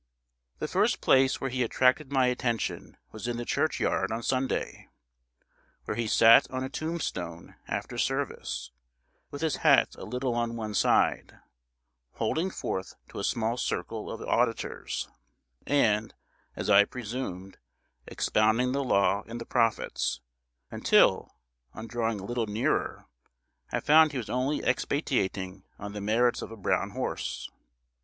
The first place where he attracted my attention was in the churchyard on Sunday; where he sat on a tombstone after service, with his hat a little on one side, holding forth to a small circle of auditors, and, as I presumed, expounding the law and the prophets, until, on drawing a little nearer, I found he was only expatiating on the merits of a brown horse.